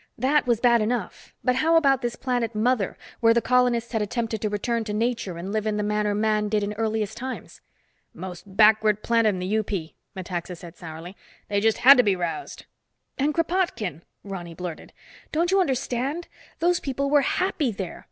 "That was bad enough, but how about this planet Mother, where the colonists had attempted to return to nature and live in the manner man did in earliest times." "Most backward planet in the UP," Metaxa said sourly. "They just had to be roused." "And Kropotkin!" Ronny blurted. "Don't you understand, those people were happy there.